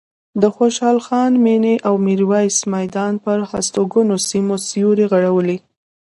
د خوشحال خان مېنې او میرویس میدان پر هستوګنو سیمو سیوری غوړولی.